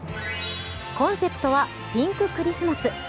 コンセプトはピンククリスマス。